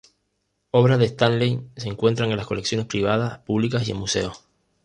Obras de Stanley se encuentran en colecciones privadas, públicas y en museos.